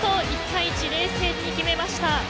１対１を冷静に決めました。